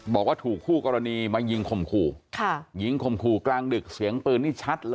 บอกว่าถูกคู่กรณีมายิงข่มขู่ยิงข่มขู่กลางดึกเสียงปืนนี่ชัดเลย